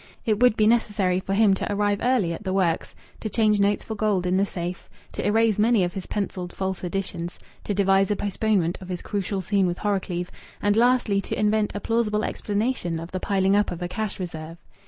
It would be necessary for him to arrive early at the works, to change notes for gold in the safe, to erase many of his pencilled false additions, to devise a postponement of his crucial scene with Horrocleave, and lastly to invent a plausible explanation of the piling up of a cash reserve.